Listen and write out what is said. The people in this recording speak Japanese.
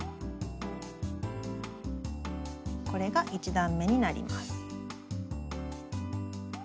これが１段めになります。